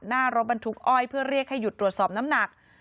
หน้ารถบรรทุกอ้อยเพื่อเรียกให้หยุดตรวจสอบน้ำหนัก